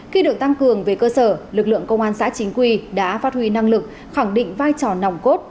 khi được tăng cường về cơ sở lực lượng công an xã chính quy đã phát huy năng lực khẳng định vai trò nòng cốt